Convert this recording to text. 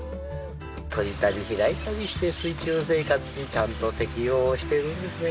閉じたり、開いたりして、水中生活にちゃんと適応をしているんですね。